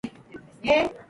The Greens sat, stunned.